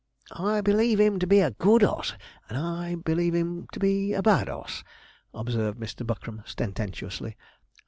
'I believe 'im to be a good oss, and I believe 'im to be a bad oss,' observed Mr. Buckram, sententiously.